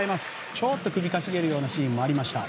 ちょっと首をかしげるようなシーンもありました。